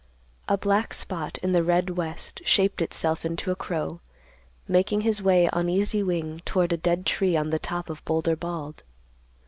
A black spot in the red west shaped itself into a crow, making his way on easy wing toward a dead tree on the top of Boulder Bald.